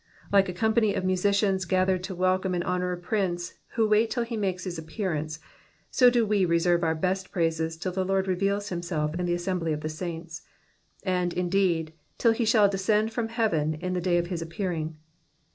Like a company of musicians gathered to welcome and honour a prince, who wait till he makes his appearance, so do we reserve our best praises till the Lord reveals himself in the assembly of his saints ; and. indeed, till he shall descend from heaven in the day of his appearing.